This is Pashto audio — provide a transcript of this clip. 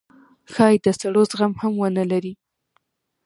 ښايي د سړو زغم هم ونه لرئ